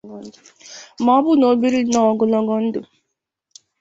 ma ọ bụ na o biri nnọọ ogologo ndụ.